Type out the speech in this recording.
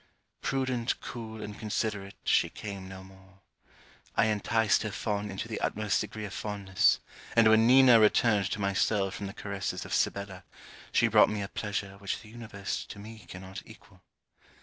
Prudent, cool, and considerate, she came no more. I enticed her fawn into the utmost degree of fondness; and when Nina returned to my cell from the caresses of Sibella, she brought me a pleasure which the universe to me cannot equal.